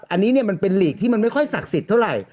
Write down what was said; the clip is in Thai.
อันนี้มันเป็นหลีกที่มันไม่ค่อยศักดิ์สิทธิ์เท่าไหร่